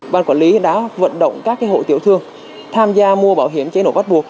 ban quản lý đã vận động các hộ tiểu thương tham gia mua bảo hiểm chế nổ bắt buộc